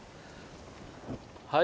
はい。